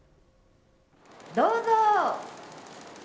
どうぞ。